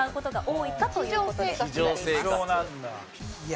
いや。